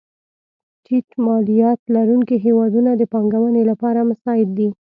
ټیټ مالیات لرونکې هېوادونه د پانګونې لپاره مساعد دي.